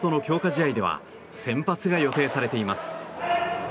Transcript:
試合では先発が予定されています。